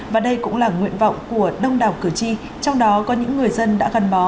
và đây cũng là nguyện vọng của đông đảo cử tri trong đó có những người dân đã gắn bó